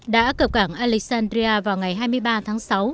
đã cập cảng alexandria vào ngày hai mươi ba tháng sáu